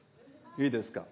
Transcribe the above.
いいですか？